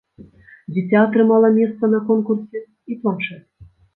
Дзіця атрымала месца на конкурсе і планшэт.